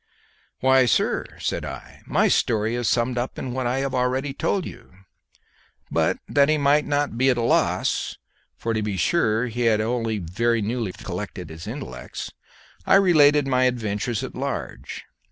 "Why, sir," said I, "my story is summed up in what I have already told you." But that he might not be at a loss for to be sure he had only very newly collected his intellects I related my adventures at large.